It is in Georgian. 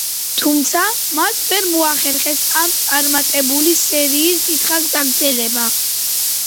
თუმცა, მათ ვერ მოახერხეს ამ წარმატებული სერიის დიდხანს გაგრძელება.